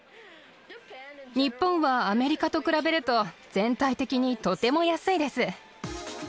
日本はアメリカと比べると、全体的にとても安いです。